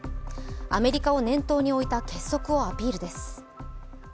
アメリカを念頭に置いた結束をアピールです。